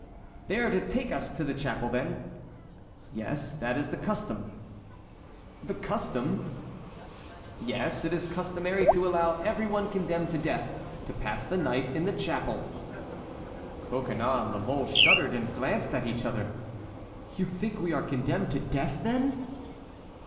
"They are to take us to the chapel, then?" "Yes; that is the custom." "The custom?" "Yes; it is customary to allow every one condemned to death to pass the night in the chapel." Coconnas and La Mole shuddered and glanced at each other. "You think we are condemned to death, then?"